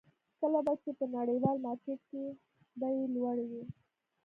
کله به چې په نړیوال مارکېټ کې بیې لوړې وې.